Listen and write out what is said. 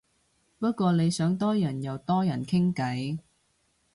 不過你想多人又多人傾偈